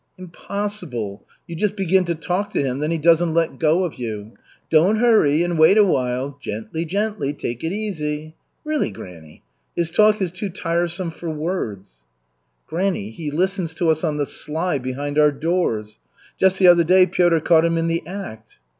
"Impossible. You just begin to talk to him, then he doesn't let go of you. 'Don't hurry and wait a while. Gently, gently, take it easy.' Really, granny, his talk is too tiresome for words." "Granny, he listens to us on the sly behind our doors. Just the other day Piotr caught him in the act."